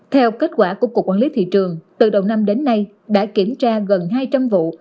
theo kết quả của cục quản lý thị trường từ đầu năm đến nay đã kiểm tra gần hai trăm linh vụ